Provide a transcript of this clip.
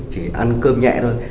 chỉ ăn cơm nhẹ thôi